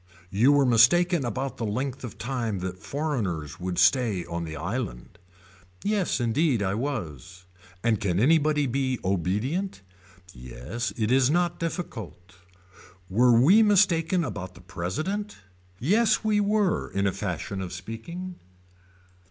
You were mistaken about the length of time that foreigners would stay on the island. Yes indeed I was. And can anybody be obedient. Yes it is not difficult. Were we mistaken about the president. Yes we were in a fashion of speaking.